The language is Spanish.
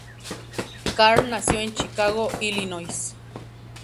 Carr nació en Chicago, Illinois.